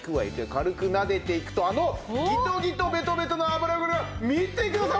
軽くなでていくとあのギトギトベトベトの油汚れが見てください！